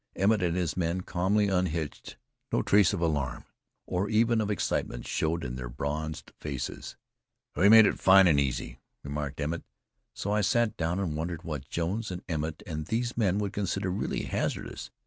Emmett and his men calmly unhitched. No trace of alarm, or even of excitement showed in their bronzed faces. "We made that fine and easy," remarked Emmett. So I sat down and wondered what Jones and Emmett, and these men would consider really hazardous.